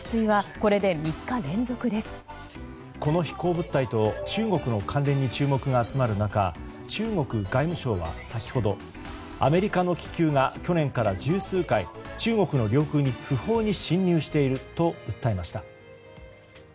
この飛行物体と中国の関連に注目が集まる中中国外務省は先ほどアメリカの気球が去年から十数回、中国の領空に不法に侵入していると訴えました。